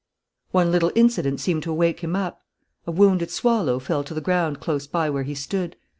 One little incident seemed to wake him up. A wounded swallow fell to the ground close by where he stood.